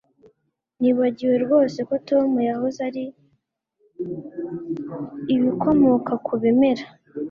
Nibagiwe rwose ko Tom yahoze ari ibikomoka ku bimera